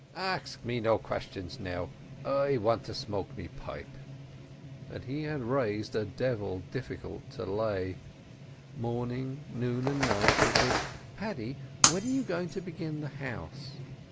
"Ax me no questions now; I want to smoke me pipe." But he had raised a devil difficult to lay. Morning, noon, and night it was "Paddy, when are you going to begin the house?"